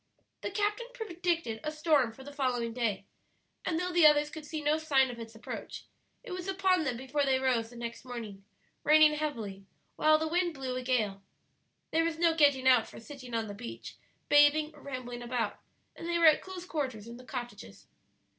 The captain predicted a storm for the following day, and though the others could see no sign of its approach, it was upon them before they rose the next morning, raining heavily, while the wind blew a gale. There was no getting out for sitting on the beach, bathing, or rambling about, and they were at close quarters in the cottages.